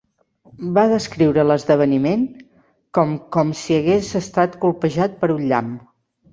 Va descriure l"esdeveniment com "com si hagués estat colpejat per un llamp".